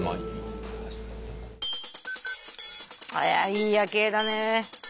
いい夜景だね。